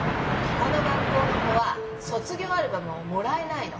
この学校の子は卒業アルバムももらえないの？